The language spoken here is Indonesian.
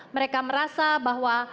mereka merasa bahwa